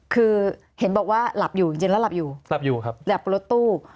คือเห็นบอกว่าหลับอยู่เย็นแล้วหลับอยู่หลับรถตู้